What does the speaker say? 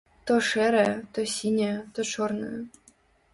То шэрая, то сіняя, то чорная.